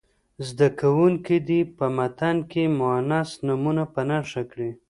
زده کوونکي دې په متن کې مونث نومونه په نښه کړي.